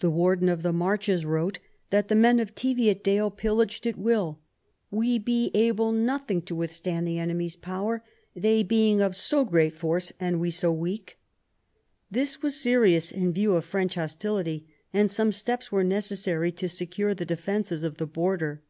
The Warden of the Marches wrote that the men of Teviotdale pillaged at will :" We be able nothing to withstand the enemy's power, they being of so great force and we so weak". This was serious in view of French hostility, and some steps were necessary to secure the ' defences of the border.